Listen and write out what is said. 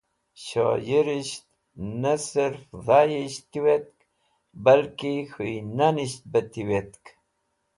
Shyirsht ne sirf dhayisht tiwetk balki k̃hũy nanisht bẽ tiwetk.